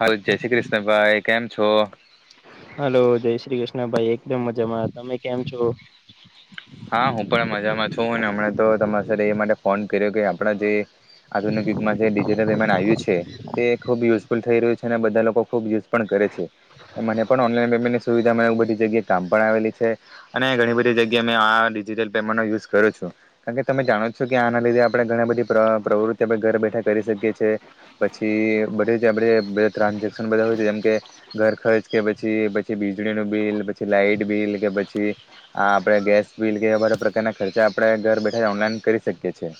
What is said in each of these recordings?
Hello જય શ્રી કૃષ્ણભાઈ કેમ છો? હલો, જય શ્રી કૃષ્ણ ભાઈ. એકદમ મજામાં. તમે કેમ છો? હા હું પણ મજામાં છું અને હમણાં તો તમારા સાથે એ માટે ફોન કર્યો કે આપણા જે આધુનિક યુગમાં જે ડિજિટલ પેમેન્ટ આવ્યું છે, તે ખૂબ યુઝફુલ થઈ રહ્યું છે અને બધા લોકો ખૂબ યુઝ પણ કરે છે. મને પણ ઓનલાઈન પેમેન્ટની સુવિધામાં એ બધી જગ્યાએ કામ પણ આવેલી છે અને ઘણી બધી જગ્યાએ. તમે આ ડિજિટલ પેમેન્ટનો યુઝ કરો છું, કારણ કે તમે જાણો છો કે આના લીધે આપણે ઘણી બધી પ્ર પ્રવૃત્તિ આપણે ઘર બેઠા કરી શકીએ છીએ. પછી બધે જ આપણે બધું ટ્રાન્ઝેક્શન, બધા હોય છે, જેમ કે ઘર ખર્ચ, કે પછી, પછી વીજળીનું બિલ, પછી લાાઈટ બિલ, કે પછી આ. આપણે ગેસ બિલ, કે એવા બધા પ્રકારના ખર્ચા, આપણે ઘર બેઠા ઓનલાઈન કરી શકીએ છીએ.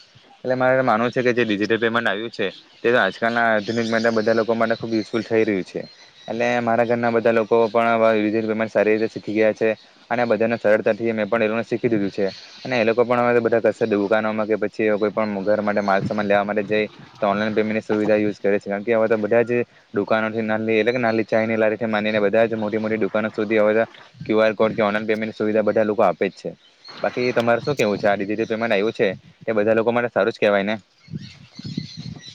એટલે મારે માનવું છે કે જે ડિજિટલ પેમેન્ટ આવ્યું છે, તે તો આજકાલના આધુનિક મા બધા લોકો માટે ખૂબ યુઝફુલ થઈ રહ્યું છે. એટલે મારા ઘરના બધા લોકો પણ ડિજિટલ પેમેન્ટ સારી રીતે શીખી ગયા છે અને બધાને સરળ. થી મેં પણ એ લોકોને શીખી દીધું છે અને એ લોકો પણ હવે તો બધા કશે દુકાનોમાં, કે પછી કોઈ પણ ઘર માટે માલસામાન લેવા માટે જાય, તો ઓનલાઈન પેમેન્ટની સુવિધા યુઝ કરે છે. કારણ કે હવે તો બધા જ દુકાનોથી, ના નાની ચાયની લારીથી માનીને, બધા જ મોટી મોટી દુકાનો સુધી હવે ક્યુઆર કોડ કે ઓનલાઈન પેમેન્ટની સુવિધા. બધા લોકો આપે જ છે. બાકી તમારે શું કેવું છે? આ ડિજિટલ પેમેન્ટ આવ્યું છે, તે બધા લોકો માટે સારું જ કેહેવાય ને?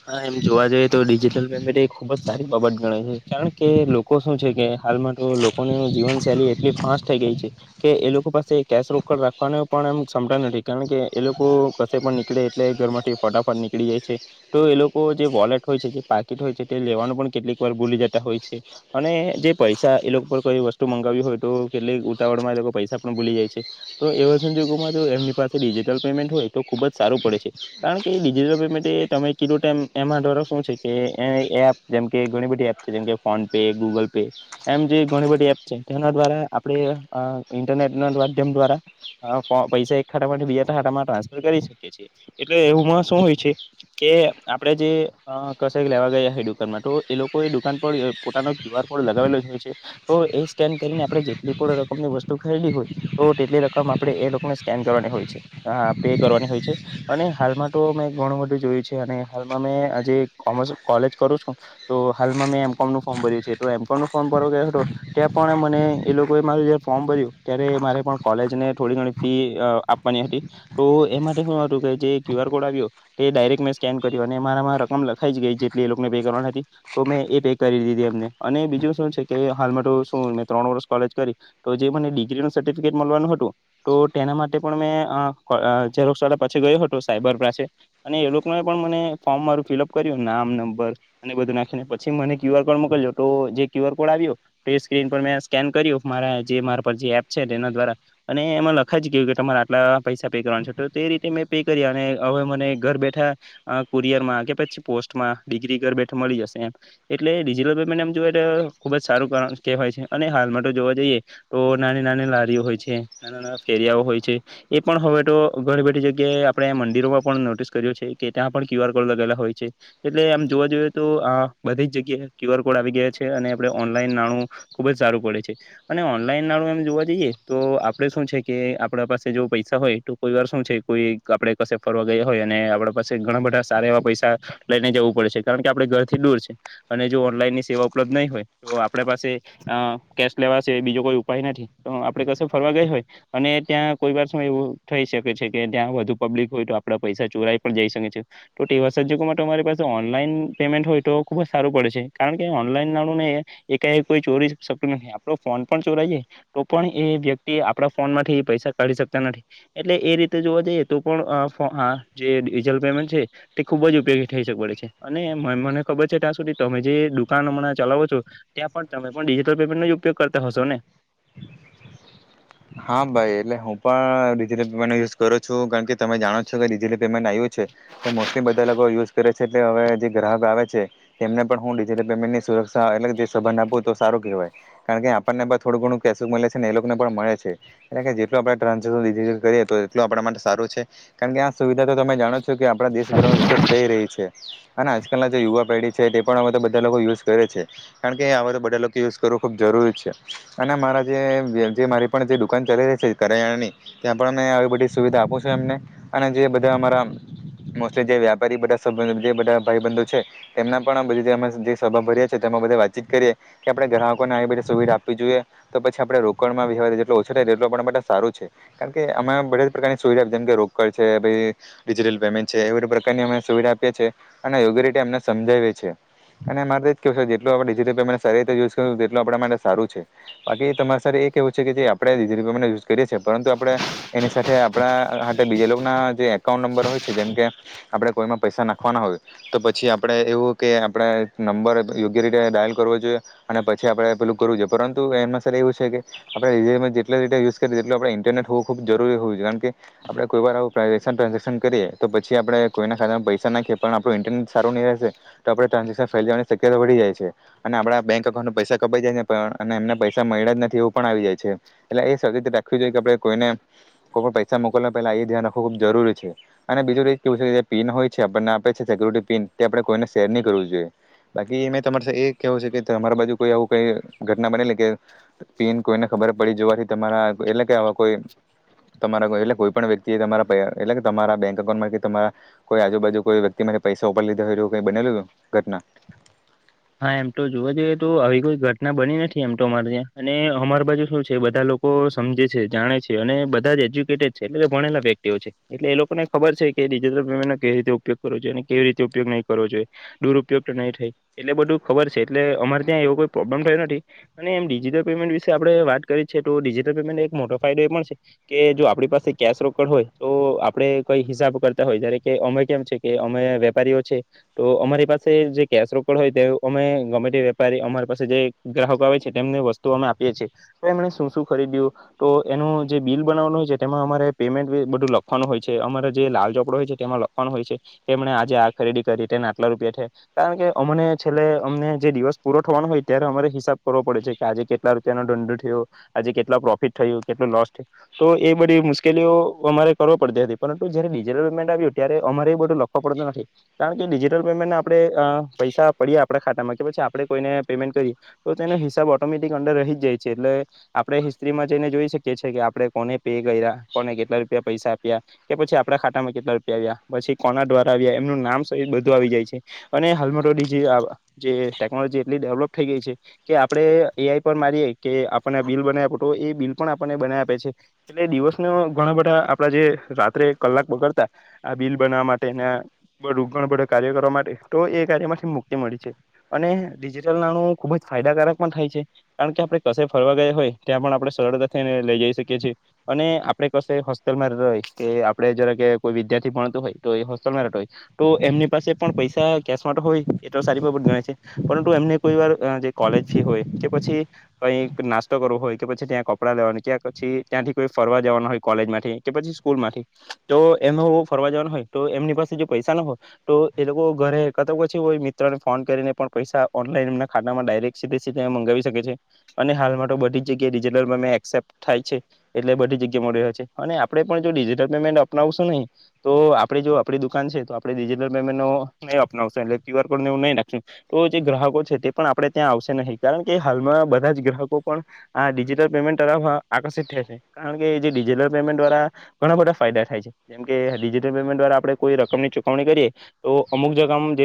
હા, એમ જોવા જઈએ તો ડિજિટલ પેમેન્ટ એ ખુબ જ સારી બાબત ગણાય છે, કારણ કે લોકો શું છે કે. હાલમાં તો લોકોની જીવન શૈલી એટલી ફાસ્ટ થઈ ગઈ છે કે એ લોકો પાસે કેશ રોકડ રાખવાનો પણ એમ સંમતા નથી, કારણ કે એ લોકો કશે પણ નીકળે, એટલે ઘર માંથી ફટાફટ નીકળી જાય છે. તો એ લોકો જે વોલેટ હોય છે, જે પાકીટ હોય છે, તે લેવાનું પણ કેટલીક વાર ભૂલી જતા હોય છે અને જે પૈસા એ લોકો પર કોઈ વસ્તુ મંગાવી હોય, તો કેટલીક ઉતાવળમાં એ લોકો પૈસા પણ ભૂલી જાય છે. તો એવા સંજોગોમાં, જો એમની પાસે ડિજિટલ પેમેન્ટ હોય, તો ખૂબ જ સારું પડે છે, કારણ કે ડિજિટલ પેમેન્ટ એ તમે શું છે કે એપ, જેમ કે બધી એપ છે, જેમ ફોન પે, ગૂગલ પે, એમ જેણી બધી એપ છે, તેના દ્વારા આપણે ઇન્ટરનેટ ના માધ્યમ દ્વારા પૈસા એક ખાતામાં બીજા ખાતામાં ટ્રાન્સફર કરી શકી છીએ. એટલે એપમાં શું હોય છે કે આપણેે જે કેશ લેવા ગયા છે દુકાનમાં, તો એ લોકોએ દુકાન પર પોતાનો ક્યુ આર કોડ લગાવેલો જ હોય છે. તો એ સ્કેન કરીને, આપણે જેટલી પણ રકમની વસ્તુ ખરીદી હોય, તો તેટલી રકમ આપણે એ લોકોને સ્કેન કરવાની હોય છે, પે કરવાની હોય છે. અને હાલમાં તો મેં ઘણું બધું જોયું છે. મે આજે કોમર્સ કોલેજ કરું છું, તો હાલમાં મેં એમ કોમર્સ નું ફોર્મ ભર્યું છે. તો એમ. કોમ નું ફોર્મ ભરવા ગયો હતો, ત્યાં પણ મને એ લોકો મારું જ ફોર્મ ભર્યું. ત્યારે મારે પણ કોલેજને થોડી ઘણી ફી આપવાની હતી. તો એ માટે શું હતું કે જે ક્યુ આર કોડ આવ્યો, તે ડાયરેક્ટ મે સ્કેન કર્યું અને મારામાં રકમ લખાઈ જ ગઈ, જેટલી એ લોકોને પે કરવાની હતી. તો મેં એ પે કરી દીધી એમને. અને બીજું શું છે કે હાલમાં તો શું, મેં ત્રણ વર્ષ કોલેજ કરી, તો જે મને ડિગ્રીનું સર્ટિફિકેટ મળવાનું હતું, તો તેના માટે પણ મેં ઝેરોક્ષ વાળા પછી ગયો હતો, સાયબર પાસે અને એ લોકો તોય પણ મને ફોર્મ મારું ફિલઅપ કર્યું, નામ, નંબર અને બધું નાખીને. પછી મને ક્યુઆર કોડ મોકલ્યો તો જે ક્યુઆર કોડ આવ્યો, તે સ્ક્રીન પર મેં સ્કેન કર્યો, મારા જે મારા પર જે એપ છે તેના દ્વારા અને એમાં લખાઈ જ ગયું કે તમારે આટલા પૈસા પે કરવાના છે. તો તે રીતે મેં પે કર્યા અને હવે મને ઘર બેઠા અ કુરિયરમાં કે પછી પોસ્ટમાં ડિગ્રી ઘર બેઠા મલી જશે એમ. એટલે ડિજિટલ પેમેન્ટ એમ જોઈએ તો ખુબ જ સારું કારણ કહેવાય છે. અને હાલમાં તો જોવા જઈએ તો નાની નાની લારીઓ હોય છે, નાના નાના ફેરિયાઓ હોય છે, એ પણ હવે તો ઘર બેઠી જગ્યાએ આપણે મંદિરમાં પણ નોટિસ કર્યો છે. કે ત્યાં પણ ક્યુઆર કોડ લગાવેલા હોય છે. એટલે આમ જોવા જઈએ તો આ બધી જ જગ્યાએ ક્યુઆર કોડ આવી ગયા છે અને આપણે ઓનલાઈન નાણું ખૂબ જ સારું પડે છે. અને ઓનલાઈન નાણું એમ જોવા જઈએ તો, આપણે શું છે કે આપણા પાસે જો પૈસા હોય, તો કોઈ વાર શું છે, કોઈ આપણે કશે ફરવા ગયા હોય અને આપણા પાસે ઘણા બધા સારા એવા પૈસા લઈને જવું પડે છે, કારણ કે આપડે ઘરથી દૂર છે અને જો ઓનલાઈનની સેવા ઉપલબ્ધ નહીં હોય, તો આપણા પાસે અ કેશ લેવાશે, બીજો કોઈ ઉપાય નથી. તો આપણે કશે ફરવા ગય હોય અને ત્યાં કોઈ વાર શું એવું થઈ શકે છે કે ત્યાં વધુ પબ્લિક હોય, તો આપડા પૈસા ચોરાઈ પણ જઈ શકે છે. તો તેવા સંજોગોમાં તમારી પાસે ઓનલાઈન પેમેન્ટ હોય, તો ખુબ જ સારું પડે છે, કારણ કે ઓનલાઈન નાણું ને એકાએક કોઈ ચોરી શકતું નથી. આપણો ફોન પણ ચોરાઈ જાય તો પણ એ વ્યક્તિ આપણા ફોનમાંથી પૈસા કાઢી શકતા નથી. એટલે એ રીતે જોવા જઈએ તો પણ અ ફો આ જે ડિજલ પેમેન્ટ છે, તે ખુબ જ ઉપયોગી થઈ શકે પડે છે. અને મને ખબર છે ત્યાં સુધી, તમે જે દુકાન હમણાં ચલાવો છો, ત્યાં પણ તમે પણ ડિજિટલ પેમેન્ટનો જ ઉપયોગ કરતા હશોને? હા ભાઈ એટલે હું પણ ડિજિટલ પેમેટનો યુઝ કરું છું. કારણ કે તમે જાણો છો કે ડિજિટલ પેમેન્ટ આયું છે. તે મોસ્ટલી બધા લોકો યુઝ કરે છે. એટલે હવે જે ગ્રાહક આવે છે તેમને પણ હું ડિજિટલ પેમેન્ટની સુરક્ષા એટલે કે જે સંબંધ આપું તો સારું કહેવાય. કારણ કે આપણને પણ થોડું ઘણું કેશ મળે છે ને એ લોકોને પણ મળે છે. છે. એટલે કે જેટલું આપણે [inaudible] ડિજિટલ કરીએ તો એટલું આપણા માટે સારું છે. કારણ કે આ સુવિધા તો તમે જાણો જ છો કે આપણા દેશભરમાં વિખ્યાત થઈ રહી છે. અને આજકલના જે યુવા પેઢી છે તે પણ હવે તો બધા લોકો યુઝ કરે છે. કારણ કે હવે તો બધા લોકો યુઝ કરવો ખુબ જરૂરી છે, અને મારા જે [inaudible] જે મારી પણ જે દુકાન ચાલી રહી છે કરયાણાની ત્યાં પણ અમે આવી બધી સુવિધા આપું છું એમને અને જે બધા અમારા મોસ્ટલી જે વ્યાપારી બધા સબંધી જે બધાં ભાઈબંધો છે તેમના પણ બધ અમે સભા ભરીએ છીએ તેમાં બધે વાતચીત કરીએ કે આપણે ગ્રાહકોને આવી બધી સુવિધા આપવી જોઈએ તો પછી આપણે રોકડમાં વ્યવહાર જેટલો ઓછો થાય તેટલો આપણા માટે સારું છે. કારણ કે અમે બધા જ પ્રકારની સુવિધા જેમ કે રોકડ છે ભઈ ડિજિટલ પેમેન્ટ છે. એવા બધા પ્રકારની અમે સુવિધા આપીએ છીએ. અને યોગ્ય રીતે એમને સમજાવીએ છીએ. અને મારે જ કેવું છે જેટલું આપણે ડિજિટલ પેમેન્ટ સારી રીતે યુઝ કરીશું તેટલું આપણા માટે સારું છે. બાકી તમારે સાથે એ કેવું છે કે જે આપ આપણે ડિજિટલ પેમેન્ટનો યુઝ કરીએ છીએ પરંતુ આપણે એની સાથે આપ આપણા માટે બીજે લોકોના જે એકાઉન્ટ નંબર હોય છે. જેમ કે આપણે કોઈમાં પૈસા નાખવાના હોય તો પછી આપણે એવું કે આપણે નંબર યોગ્ય રીતે ડાયલ કરવો જોઈએ. અને પછી આપણે પેલું કરવું જોઈએ. પરંતુ એમાં સર એવું છે કે આપણે [inaudible] જેટલે રીતે યુઝ કરીએ તેટલુ આપણે ઇન્ટરનેટ હોવું ખૂબ જરૂરી હોય છે. કારણ કે આપણે કોઈ વાર આવું પ્રાઇવેસન ટ્રાન્ઝેક્શન કરીએ તો પછી આપણે કોઈના ખાતામાં પૈસા નાખીએ. પણ આપણું ઇન્ટરટ સારું નહીં હશે તો આપણે ટ્રાન્ઝેક્શન ફેલ જવાની શક્યતા વધી જાય છે. અને આપણા બેંક અકાઉન્ટમાં પૈસા કપાઈ જાય છે. પણ અને એમને પૈસા મળ્યા જ નથી એવું પણ આવી જાય છે. એટલે એ સગે તો રાખવી જોઈએ કે આપડે કોઈને કોકને પૈસા મોકલવા પેલા એ ધ્યાન રાખ ખૂબ જરૂરી છે. અને બીજું કેવું છે જે પિન હોય છે આપણને આપે છે સિક્યુરિટી પીન તે આપણે કોઈને શેર નહી કરવું જોઈએ. બાકી મેં તમાર એ કેવું છે કે તમારા બાજુ કોઈ આવું કઈ ઘટના બનેલી કે પીન કોઈને ખબર પડી જોવાથી તમારા એટલે કે આવા કોઈ તમારા કોઈ એટલે કોઈ પણ વ્યક્તિએ તમારા પે એટલે કે તમારા બેંક અકાઉન્ટમાં કે તમારા કોઈ આજુબાજુ કોઈ વ્યક્તિમાંથી પૈસા ઉપાડ લીધા હોય કઈ બનેલું ઘટના? હા એમ તો જોવા જઈએ તો આવી કોઈ ઘટના બની નથી એમ તો અમારે ત્યાં અને અમારી બાજુ શું છે બધા લોકો સમજે છે, જાણે છે, અને બધા જ એજ્યુકેટેડ છે. એટલે કે ભણેલા વ્યક્તિઓ છે. એટલે એ લોકોને ખબર છે કે ડિજટલ પેમેન્ટનો કેવી રીતે ઉપયોગ કરવો જોઈએ અને કેવી રીતે ઉપયોગ નહી કરવો જોઈએ. દુરુપયોગ તો નહી થાય. એટલે બધું ખબર છે એટલે અમારે ત્યાં એવો કોઈ પ્રોબ્લેમ થયો નથી. અને એમ ડિજિટલ પેમેન્ટ વિશે આપણે વાત કરીએ છીએ તો ડિજિટલ પેમેન્ટને એક મોટો ફાયદો એ પણ છે કે જો આપણી પાસે કેશ રોકડ હોય તો આપણે કઈ હિસાબ કરતા હોય જ્યારે કે અમે કેમ છે કે અમે વેપારીઓ છે તો અમારી પાસે જે કેશ રોક ડ હોય તે અમે ગમે તે વેપારી અમારી પાસે જે ગ્રાહકો આવે છે તેમને વસ્તુ અમે આપીએ છીએ. તો એમણે શું શું ખરીદ્યું તો એનું જે બિલ બનાવાનું હોય છે તેમાં અમારે પેમેન્ટ બધું લખવાનું હોય છે. અમારે જે લાલ ચોપડો હોય છે તેમાં લખવાનું હોય છે કે તેમણે આજે આ ખરીદી કરી તેને આટલા રૂપિયા થયા કારણ કે અમને છેલ્લે અમને જે દિવસ પૂરો થવાનો હોય ત્યારે અમારે હિસાબ કરવો પડે છે કે આજે કેટલા રૂપિયાનો દંડ થયો, આજે કેટલા પ્રોફિટ થયું, કેટલું લોસ થયું, તો એ બધી મુશ્કેલીઓ અમારે કરવી પડતી હતી. પરંતુ જયારે ડિજિટલ પેમેન્ટ આવ્યું ત્યારે અમારે એ બધું લખવો પડતું નથી કારણ કે ડિજિટલ પેમેન્ટને આપણે અ પૈસા પડ્યા આપણા ખાતામાં કે પછી આપણે કોઈને પેમેન્ટ કરીએ તો તેનો હિસાબ ઓટોમેટિક અંદર રહી જ જાય છે. એટલે આપણે હિસ્ટ્રીમાં જઈને જોઈ શકીએ છીએ કે આપણે કોને પે કર્યા, કે કોને કેટલા રૂપિયા પૈસા આપ્યા, કે પછી આપડા ખાતામાં કેટલા રૂપિયા આવ્યા, પછી કોના દ્વારા આવ્યા, એમનું નામ સહિત બધું આવી જાય છે. અને હાલમાં તો ડીજી આ જે ટેકનોલોજી એટલી ડેવલપ થઈ ગઈ છે કે આપણે એઆઈ પર મારીએ કે આપણને બિલ બનાવી આપો તો એ બિલ પણ આપણને બનાવી આપે છે. એટલે દિવસને ઘણા બધા આપડા જે રાત્રે કલાક બગડતા આ બિલ બનાવવા માટે ને બધું ઘણા બધા કાર્ય કરવા માટે તો એ કાર્યમાં મુક્તિ મળી છે. અને ડિજિટલ નાણું ખૂબ જ ફાયદાકારક પણ થાય છે. કારણ કે આપણે કશે ફરવા ગયા હોય ત્યાં પણ આપણે સરળતા થઈને લઈ જઈ શકીએ છીએ. અને આપણે કશે હોસ્ટેલમાં રઈ કે આપણે જરા કે કોઈ વિદ્યાર્થી ભણતું હોય તો એ હોસ્ટેલમાં રેતો હોય તો એમની પાસે પણ પૈસા કેશ માટે હોય એ તો સારી બાબત ગણાય છે. પરંતુ એમને કોઈ વાર જે કોલેજ ફી હોય, કે પછી કંઈક નાસ્તો કરવો હોય, કે પછી ત્યાં કપડાં લેવાનું, ત્યાં પછી ત્યાંથી કોઈ ફરવા જવાના હોય કોલેજમાંથી કે, પછી સ્કૂલમાંથી તો એમ ફરવા જવાનું હોય તો એમની પાસે જો પૈસા ન હોય તો એ લોકો ઘરે કા તો પછી કોઈ મિ ત્રને ફોન કરીને પણ પૈસા ઓનલાઈન એમના ખાતામાં ડાયરેક્ટ સીધે સીધે મંગાવી શકે છે. અને હાલમાં તો બધી જગ્યાએ ડિજિટલ પેમેન્ટ એક્સેપ્ટ થાય છે. એટલે બધી જગ્યા મળી રહ્યો છે અને આપણે પણ જો ડિજિટલ પેમેન્ટ અપનાવશું નહીં તો આપણેે જો આપણી દુકાન છે તો આપણે ડિજિટલ પેમેન્ટ નહી અપનાવશું એટલે કયુઆર કોડને એવું નહીં નાખશું તો જે ગ્રાહકો છે તે પણ આપણે ત્યાં આવશે નહી કારણ કે હાલમાં બધા જ ગ્રાહકો પણ આ ડિજિટલ પેમેન્ટ તરફ આકર્ષિત થશે. કારણ કે જે ડીજીટલ પેમેન્ટ દ્વારા ઘણા બધા ફાયદા થાય છે. જેમકે ડિજટલ પેમેન્ટ દ્વારા આપણે કોઈ રકમ ની ચુકવણી કરીએ તો અમુક જગ આમ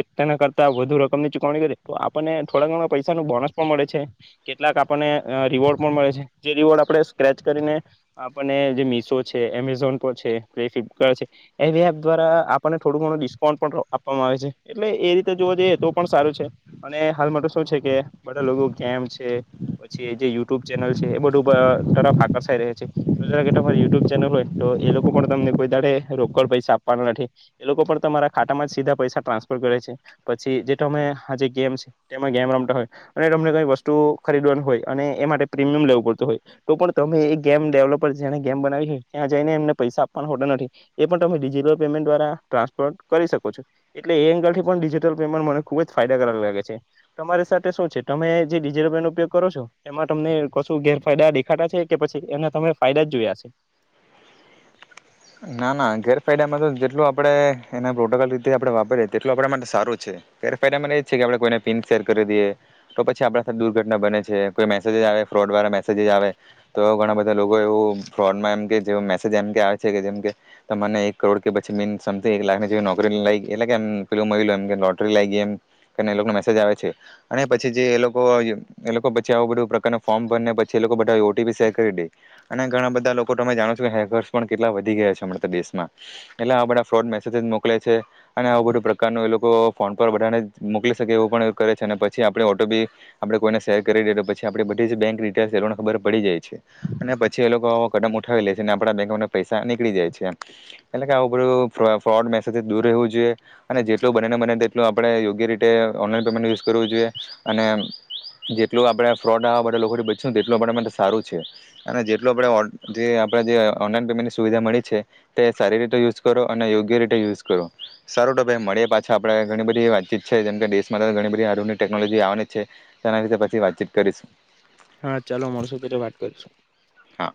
[inaudible] તા વધુ રકમની ચૂકવણી કરીએ તો આપણને થોડા ઘણા પૈસાનું બોનસ પણ મળે છે. કેટલાક આપણને રિવોર્ડ પણ મળે છે. જે રીવોર્ડ આપણે સ્ક્રેચ કરીને આપણને જે મીશો છે, એમેઝોન પર છે, પછી ફ્લિપકાર્ટ છે, એવી એપ દ્વારા આપણને થોડું ઘણું ડિસ્કાઉન્ટ પણ આપવામાં આવે છે. એટલે એ રી તે જોવા જઈએ તો પણ સારું છે. અને હાલમાં તો શું છે કે બધા લોકો ગેમ છે, પછી જે યુટ્યુબ ચેનલ છે, એ બધું તરફ આકર્ષાય રહે છે. તો ધારો કે તમારી યુટ્યુબ ચેનલ હોય તો એ લોકો પણ તમને કોઈ દાડે રોકડ પૈસા આપવાના નથી. એ લોકો પણ તમારા ખાતામાં જ સીધા પૈસા ટ્રાન્સફર કરે છે. પછી જે તમે આ જેે ગેમ છે. તેમાં ગેમ રમતા હોય અને તમને કંઈ વસ્તુ ખરીદવાની હોય અને એ માટે પ્રીમિયમ લેવું પડતું હોય તો પણ તમે એ ગેમ ડેવલપર જેને ગેમ બનાવી હોય ત્યાં જઈને એમને પૈસા આપવાનો હોતા નથી. એ પણ તમે ડિજિટલ પેમેન્ટ દ્વારા ટ્રાન્સફર કરી શકો છો. એટલે એ એંગલથી પણ ડિજ ટલ પેમેન્ટ મને ખુબ જ ફાયદાકારક લાગે છે. તમારી સાથે શું છે તમે જે ડિજિટલ પેનો ઉપયોગ કરો છો, તેમાં તમને કશું ગેરફાયદા દેખાતા છે કે પછી એના તમે ફાયદા જ જોયા છે? ના ના ગેરફાયદામાં તો જે જેટલું આપણે એના પ્રોટોકોલ રીતે આપણે વાપરીએ તેટલો આપણા માટે સારો છે. ગેરફાયદામાં ને એ જ છે કે આપણે કોઈને પીન શેર કરી દઈએ તો પછી આપણા સાથે દુર્ઘટના બને છે, કોઈ મેસેજીસ આવે ફ્રોડવાળા મેસેજીસ આવે તો ઘણા બધા લોકો એવું ફ્રોડમાં એમ કે જે મેસેજ એમ કે આવે છે જે જેમ કે તમને એક કરોડ કે [inaudible] મીન સમંગ એક લાખની જેવી નોકરી લ એટલેમ પેું મળ એમ લોટરી લાગ ગઈ એમ એ લોકોનો મેસેજ આવે છે અને પછી જે એ લોકો એ લોકો પછી આવું બધું પ્રકારના ફોર્મ ભરને પછી એ લોકો બધા ઓટીપી શેર કરી દે અને ઘણા બધા લોકો તમે જાણો છો કે હેકર્સ પણ કેટલા વધી ગયા છે અમણાં તો દેશમાં એટલે આવા બધા ફ્રોડ મેસેજસ મોકલે છે અને આવું બધું પ્રકારનું એ લોકો ફોન પર બધાને મોકલી શકે એવું પણે છે અને પછી આપણી ઓટો બી આપણે કોઈને શેર કરી દઈએ તો પછી આપણી બધી જ બેંક ડિટેલ્ એ લોકોને ખબર પડી જાય છે અને પછી એ લોકોો કદમ ઉઠાવી લે છે અને આપણા બેંકને પૈસા નીકળી જાય છે એટલે કે આું બધું ફ્રોડ મેસેજ દૂર રહેવું જોઈએ અને જેટલું બનેને બને તેટલું આપણે યોગ્ય રીતે ઓનલાઈન પેમેન્ટ યુઝ કરવું જોઈએ અને જેટલું આપણે ફ્રોડ આવા બધા લોકોથી બચીશુંને તેટલું આપણે માટે સારું છે અને જેટલું આપણે જે આપણે જે ઓનલાઈન પેમેન્ટ સુવિધા મળી છે તે સારી રીતે યુ કરો અને યોગ્ય રીતે યુઝ કરો સારો ટો ભાઈ મળીએ પાછા આપણે ઘણી બધી વાતચીત છે જેમ કે ઘણી બધી હારની ટેકનોલોજી આવે છે તેના વિ પછી વાતચીત કરીશું. હા ચાલો મળશું ત્યારે વાત કરીશું હા.